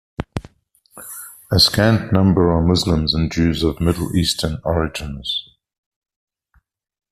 A scant number are Muslims and Jews of Middle Eastern origins.